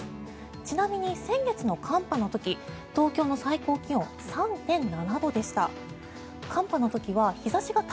ちなみに、先月の寒波の時東京の最高気温３．７度でした。